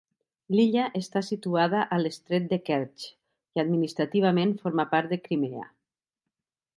L'illa està situada a l'estret de Kertx i administrativament forma part de Crimea.